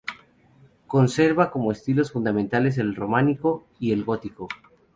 Conserva como estilos fundamentales el Románico y el Gótico.